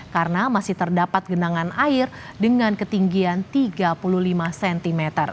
karena masih terdapat genangan air dengan ketinggian tiga puluh lima cm